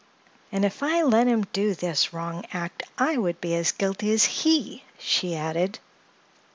"And if I let him do this wrong act I would be as guilty as he," she added.